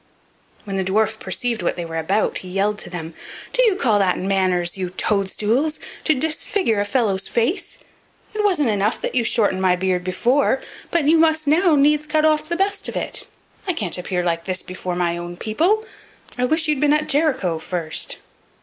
When the dwarf perceived what they were about he yelled to them: "Do you call that manners, you toad stools! to disfigure a fellow's face? It wasn't enough that you shortened my beard before, but you must now needs cut off the best bit of it. I can't appear like this before my own people. I wish you'd been in Jericho first."